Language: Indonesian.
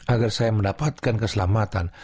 agar saya mendapatkan keselamatan